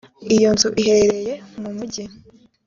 iyo nzu iherereye mu mujyi